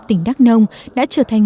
tỉnh đắk nông đã trở thành